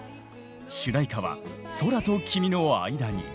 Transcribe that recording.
主題歌は「空と君のあいだに」。